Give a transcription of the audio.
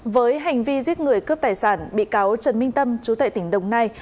với hành vi giết người cướp tài sản bị cáo trần minh tâm chú tệ tỉnh đồng nai